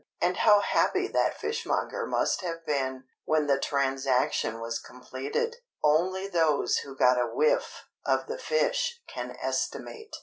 And how happy that fishmonger must have been, when the transaction was completed, only those who got a whiff of the fish can estimate.